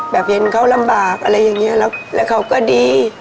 เห็นเขาลำบากอะไรอย่างนี้แล้วเขาก็ดี